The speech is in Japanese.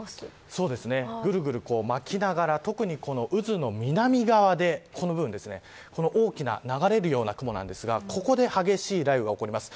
そうですね、ぐるぐる巻きながら特に渦の南側で大きな流れるような雲ですがここで激しい雷雨が起こります。